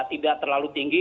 tidak terlalu tinggi